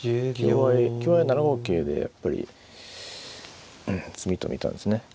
香合い７五桂でやっぱり詰みと見たんですね。